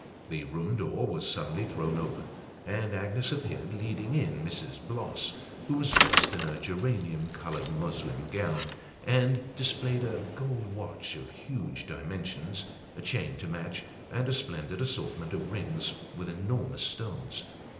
The room door was suddenly thrown open, and Agnes appeared leading in Mrs. Bloss, who was dressed in a geranium coloured muslin gown, and displayed a gold watch of huge dimensions ; a chain to match ; and a splendid assortment of rings, with enormous stones.